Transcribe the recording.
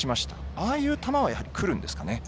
ああいう球はくるんですか。